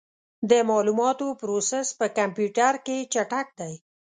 د معلوماتو پروسس په کمپیوټر کې چټک دی.